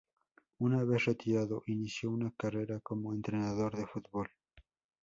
Una vez retirado inició una carrera como entrenador de fútbol.